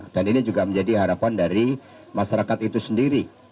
dan ini juga menjadi harapan dari masyarakat itu sendiri